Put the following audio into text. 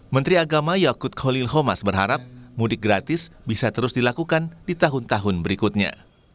menteri agama yakut khalil homas berharap mudik gratis bisa terus dilakukan di tahun tahun berikutnya